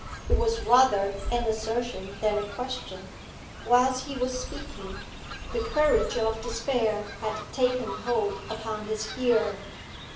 It was rather an assertion than a question. Whilst he was speaking, the courage of despair had taken hold upon his hearer.